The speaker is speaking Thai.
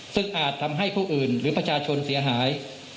ซึ่งอาจทำให้ผู้อื่นหรือประชาชนเสียหาย